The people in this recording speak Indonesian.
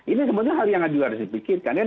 ini sebenarnya hal yang harus dipikirkan